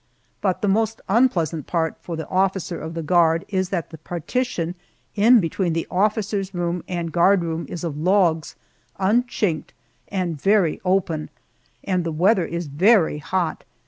But the most unpleasant part for the officer of the guard is that the partition in between the officer's room and guard room is of logs, unchinked, and very open, and the weather is very hot!